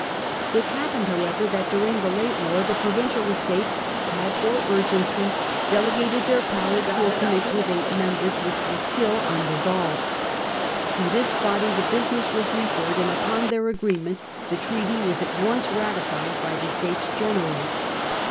It happened however that during the late war the Provincial Estates had for urgency delegated their power to a commission of eight members, which was still undissolved. To this body the business was referred, and upon tlieir agreement the treaty was at once ratified by the States General.